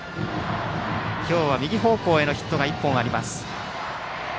今日は右方向へのヒットが１本あります。